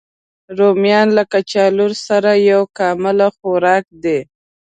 رومیان له کچالو سره یو کامل خوراک دی